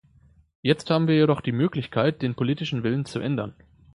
Jetzt haben wir jedoch die Möglichkeit, den politischen Willen zu ändern.